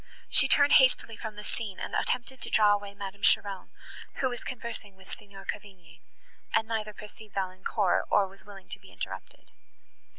She turned hastily from the scene, and attempted to draw away Madame Cheron, who was conversing with Signor Cavigni, and neither perceived Valancourt, nor was willing to be interrupted.